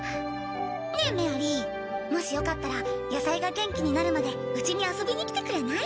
ねえメアリもしよかったら野菜が元気になるまでうちに遊びに来てくれない？